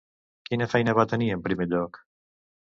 Quina feina va tenir en primer lloc?